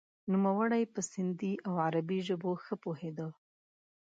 نوموړی په سندهي او عربي ژبو ښه پوهیده.